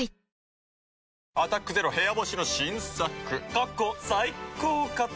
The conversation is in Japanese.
過去最高かと。